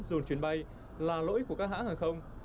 dùn chuyến bay là lỗi của các hãng hàng không